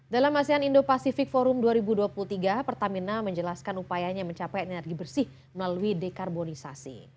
dalam asean indo pacific forum dua ribu dua puluh tiga pertamina menjelaskan upayanya mencapai energi bersih melalui dekarbonisasi